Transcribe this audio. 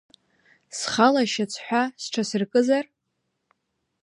Схала ашьацҳәа сҽасыркызар?